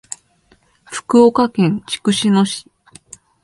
福岡県筑紫野市